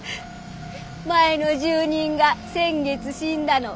前の住人が先月死んだの。